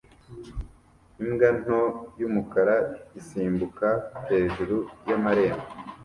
Imbwa nto y'umukara isimbuka hejuru y'amarembo